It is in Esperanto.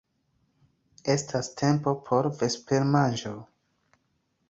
Estas tempo por vespermanĝo.